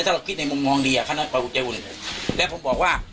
ถ้าเราคิดในมุมมองดีอ่ะขนาดประวุธเจ้าหน้าแล้วผมบอกว่า